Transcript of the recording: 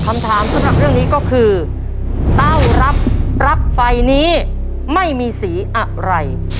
คำถามสำหรับเรื่องนี้ก็คือเต้ารับปลั๊กไฟนี้ไม่มีสีอะไร